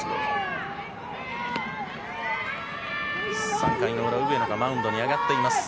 ３回の裏、上野がマウンドに上がっています。